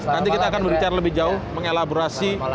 nanti kita akan berbicara lebih jauh mengelaborasi